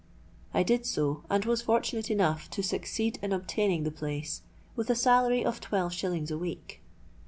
I did so, and was fortunate enough to succeed in obtaining the place, with a salary of twelve shillings a week.